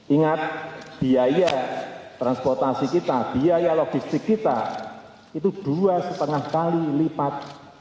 ingat biaya transportasi kita biaya logistik kita itu dua lima kali lipat